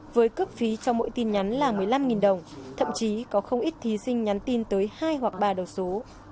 với cước phí cho mỗi tin nhắn là một mươi năm đồng thậm chí có không ít thí sinh nhắn tin tới hai hoặc ba đầu số